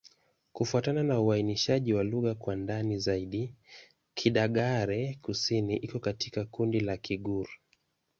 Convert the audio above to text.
Kufuatana na uainishaji wa lugha kwa ndani zaidi, Kidagaare-Kusini iko katika kundi la Kigur.